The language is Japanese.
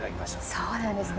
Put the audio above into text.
そうなんですね